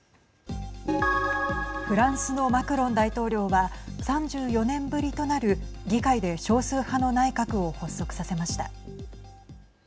フランスのマクロン大統領は３４年ぶりとなる議会で少数派の内閣を発足させました。